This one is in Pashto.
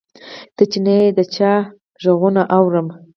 ته چې نه یې نو د چا غـــــــږونه اورم